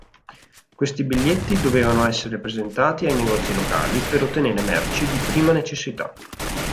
Questi biglietti dovevano essere presentati ai negozi locali per ottenere merci di prima necessità.